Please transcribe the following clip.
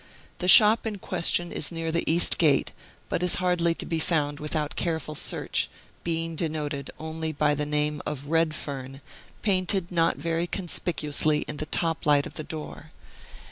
The shop in question is near the East Gate, but is hardly to be found without careful search, being denoted only by the name of "REDFERN," painted not very conspicuously in the top light of the door.